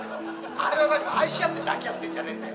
「あれは愛し合って抱き合ってるんじゃねえんだよ」